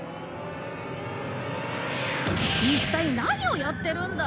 一体何をやってるんだ。